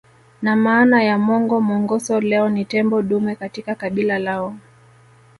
Na maana ya Mongo Mongoso leo ni tembo dume katika kabila lao